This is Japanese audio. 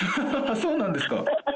そうなんですか。